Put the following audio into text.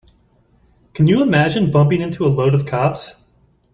Can you imagine bumping into a load of cops?